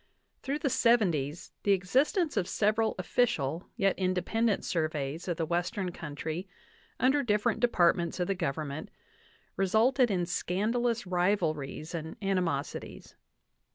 Through the '70*5 the existence of several official yet independent surveys of the Western country under different departments of the Government re sulted in scandalous rivalries and animosities.